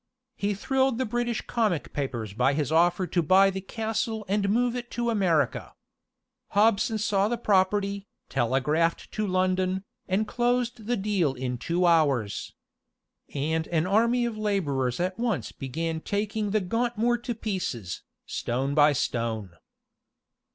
He thrilled the British comic papers by his offer to buy the castle and move it to America. Hobson saw the property, telegraphed to London, and closed the deal in two hours. And an army of laborers at once began taking the Gauntmoor to pieces, stone by stone.